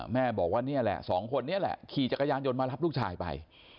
แม่บอกว่านี่แหละสองคนนี้แหละขี่จักรยานยนต์มารับลูกชายไป